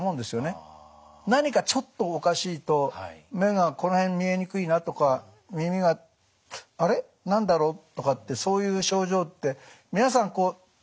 何かちょっとおかしいと目がこの辺見えにくいなとか耳があれ何だろうとかってそういう症状って皆さんこう一日に１回とかね